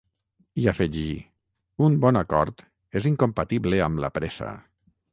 I afegí: Un bon acord és incompatible amb la pressa.